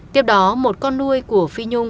tiếp đó một con nuôi của phi nhung